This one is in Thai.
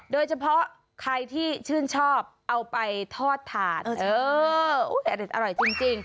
โดยเฉพาะใครที่ชื่นชอบเอาไปทอดถาดเอออร่อยจริง